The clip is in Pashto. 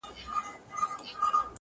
موږ یو چي د دې په سر کي شور وینو-